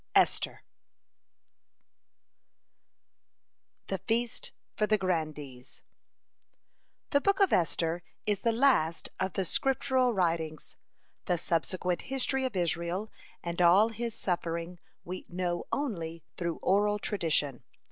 ESTHER THE FEAST FOR THE GRANDEES The Book of Esther is the last of the Scriptural writings. The subsequent history of Israel and all his suffering we know only through oral tradition.